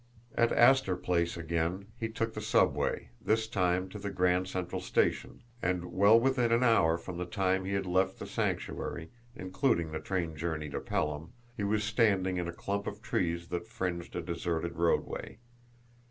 At Astor Place again, he took the subway, this time to the Grand Central Station and, well within an hour from the time he had left the Sanctuary, including the train journey to Pelham, he was standing in a clump of trees that fringed a deserted roadway.